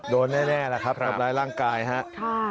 โดนแน่แล้วครับรับร้ายร่างกายครับ